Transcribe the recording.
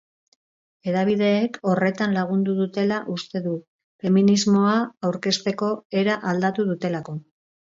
Hedabideek horretan lagundu dutela uste du, feminismoa aurkezteko era aldatu dutelako.